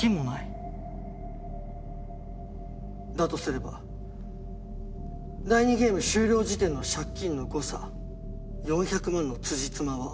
だとすれば第２ゲーム終了時点の借金の誤差４００万のつじつまは合う。